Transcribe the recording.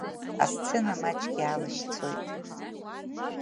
Асцена маҷк иаалашьцоит.